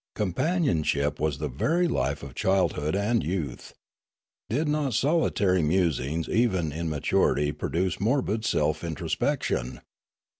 Companionship was the very life of childhood and youth. Did not solitary musings even in maturity produce morbid self introspection